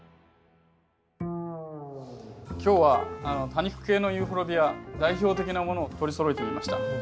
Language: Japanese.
今日は多肉系のユーフォルビア代表的なものを取りそろえてみました。